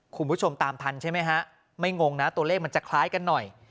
คุณผู้ชมตามทันใช่ไหมฮะไม่งงนะตัวเลขมันจะคล้ายกันหน่อย